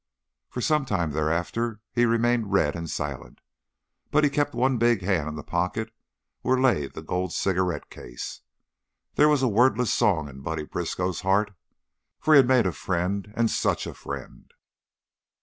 _" For some time thereafter he remained red and silent, but he kept one big hand in the pocket where lay the gold cigarette case. There was a wordless song in Buddy Briskow's heart, for he had made a friend. And such a friend!